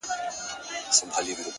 پوهه تیاره شکونه له منځه وړي.!